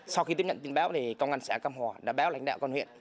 sau khi tiếp nhận tin báo thì công an xã cam hòa đã báo lãnh đạo con huyện